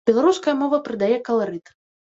Беларуская мова прыдае каларыт.